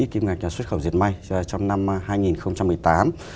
kinh ngạch xuất khẩu dệt may trong năm hai nghìn một mươi tám